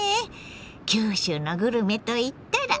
九州のグルメといったらあれ。